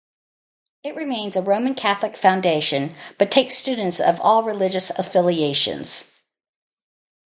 It remains a Roman Catholic foundation but takes students of all religious affiliations.